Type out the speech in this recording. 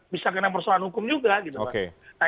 bisa kena persoalan hukum juga